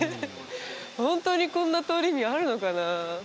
ホントにこんな通りにあるのかな？